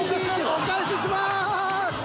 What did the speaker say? お返しします！